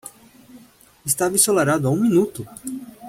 Estava ensolarado há um minuto!